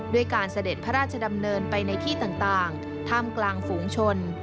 ด้วยการเสด็จพระราชดำเนินไปในที่ต่างท่ามกลางฝูงชน